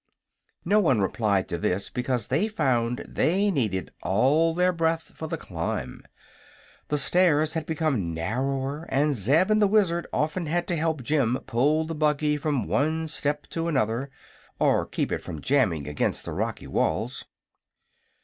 No one replied to this, because they found they needed all their breath for the climb. The stairs had become narrower and Zeb and the Wizard often had to help Jim pull the buggy from one step to another, or keep it from jamming against the rocky walls.